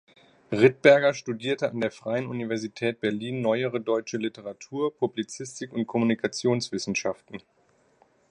Rittberger studierte an der Freien Universität Berlin Neuere Deutsche Literatur, Publizistik und Kommunikationswissenschaften.